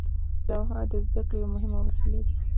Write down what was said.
لوحه د زده کړې یوه مهمه وسیله وه.